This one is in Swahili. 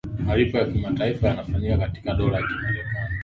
malipo ya kimataifa yanafanyika katika dola ya kimarekani